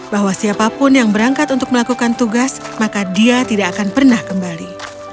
bahwa siapapun yang berangkat untuk melakukan tugas maka dia tidak akan pernah kembali